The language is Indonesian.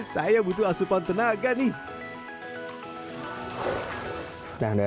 saya butuh asupan tenaga nih